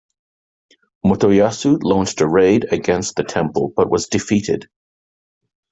Motoyasu launched a raid against the temple but was defeated.